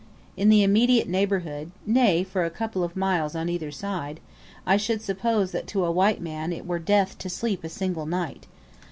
In the immediate neighbourhood nay, for a couple of miles on either side I should suppose that to a white man it were death to sleep a single night.